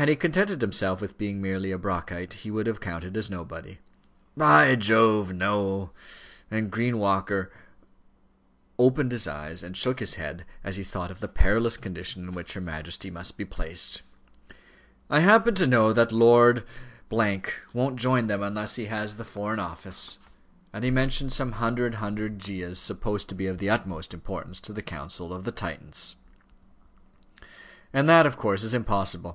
Had he contented himself with being merely a Brockite, he would have counted as nobody. "By Jove! no," and Green Walker opened his eyes and shook his head, as he thought of the perilous condition in which her Majesty must be placed. "I happen to know that Lord won't join them unless he has the Foreign Office," and he mentioned some hundred handed Gyas supposed to be of the utmost importance to the counsels of the Titans. "And that, of course, is impossible.